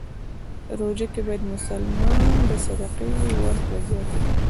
روژه کې باید مسلمان د صدقې ورکړه زیاته کړی.